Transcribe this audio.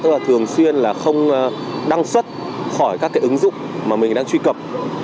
chúng ta thường xuyên không đăng xuất khỏi các ứng dụng mà mình đang truy cập